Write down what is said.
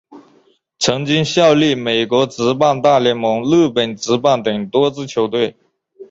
曾经效力美国职棒大联盟日本职棒等多支球队。